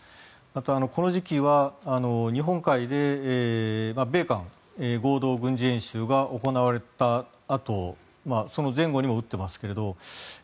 また、この時期は日本海で米韓合同軍事演習が行われたあとその前後にも撃っていますけど。